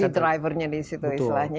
jadi drivernya di situ istilahnya